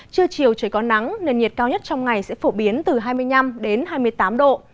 trưa chiều trời có nắng nền nhiệt cao nhất trong ngày sẽ phổ biến từ hai mươi năm đến hai mươi tám độ